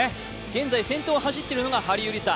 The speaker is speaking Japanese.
現在、先頭を走っているのがハリウリサ。